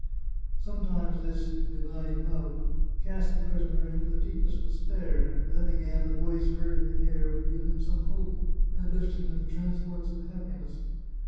Some times this " divine love " cast the prisoner into the deepest despair ; then, again, a voice heard in the air would give him some hope, and lift him into transports of happiness.